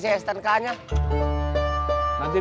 bisa menunjukkan sim